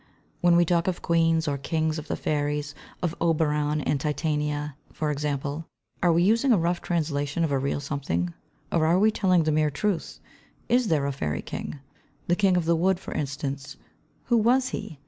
When we talk of Queens or Kings of the Fairies, of Oberon and Titania, for example, are we using a rough translation of a real something, or are we telling the mere truth? Is there a fairy king? The King of the Wood, for instance, who was he?